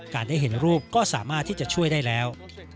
ได้เห็นรูปก็สามารถที่จะช่วยได้แล้ว